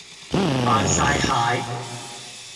扮曬蟹